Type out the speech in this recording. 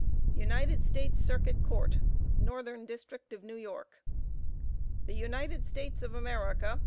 UNITED STATES CIRCUIT COURT. NORTHERN DISTRICT OF NEW YORK. THE UNITED STATES OF AMERICA.